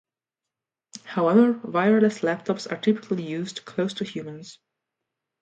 However, wireless laptops are typically used close to humans.